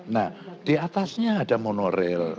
nah diatasnya ada monorail